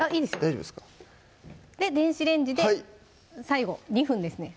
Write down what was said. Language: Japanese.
大丈夫ですか電子レンジで最後２分ですね